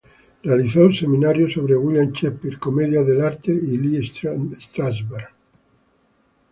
Realizó seminarios sobre William Shakespeare, Comedia del arte y Lee Strasberg.